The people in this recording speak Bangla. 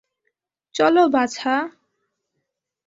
চলো, বাছা।